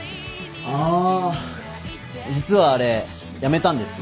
あ実はあれやめたんです。